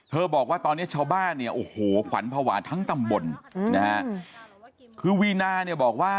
เธอบอกว่าตอนนี้ชาวบ้านเนี่ยโอ้โหขวัญภาวะทั้งตำบลนะครับ